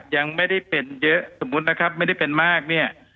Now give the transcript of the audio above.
ยังไม่ได้เป็นเยอะสมมุตินะครับไม่ได้เป็นมากเนี่ย